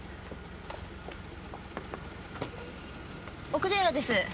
奥寺です。